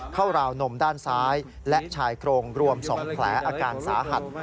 เข้าราวหนุ่มด้านซ้ายและชายโครงรวมส่งแคล้อาการสาหัส